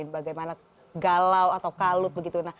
bagaimana galau atau kalut begitu